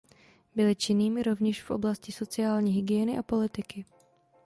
Byl činným rovněž v oblasti sociální hygieny a politiky.